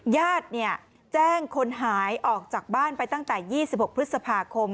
ญาติแจ้งคนหายออกจากบ้านไปตั้งแต่๒๖พฤษภาคม